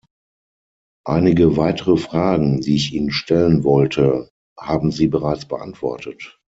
Einige weitere Fragen, die ich Ihnen stellen wollte, haben Sie bereits beantwortet.